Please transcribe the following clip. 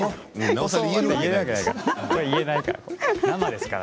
言えないから。